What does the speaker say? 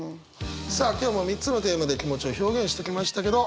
さあ今日も３つのテーマで気持ちを表現してきましたけど。